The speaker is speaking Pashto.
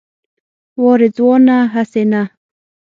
وا رضوانه هسې نه.